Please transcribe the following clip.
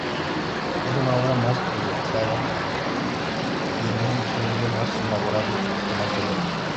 Es una obra más pensada y con un sonido más elaborado que el anterior.